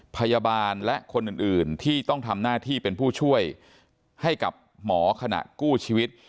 พยาบาลและคนอื่นที่ต้องทำหน้าที่เป็นผู้ช่วยให้กับหมอขณะกู้ชีวิต